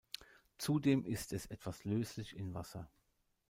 Zudem ist es etwas löslich in Wasser.